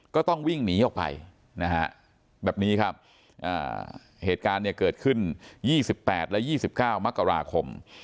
ก็ต้องวิ่งหนีออกไปนะฮะแบบนี้ครับเหตุการณ์เนี่ยเกิดขึ้น๒๘และ๒๙มกราคม